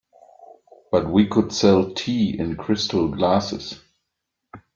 But we could sell tea in crystal glasses.